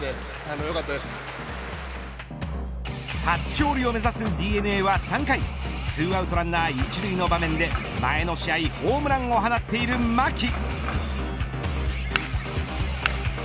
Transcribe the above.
初勝利を目指すＤｅＮＡは３回２アウト、ランナー１塁の場面で前の試合ホームランを放っている牧。